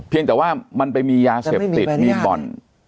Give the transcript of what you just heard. ยังแต่ว่ามันไปมียาเสพติดมีบ่อน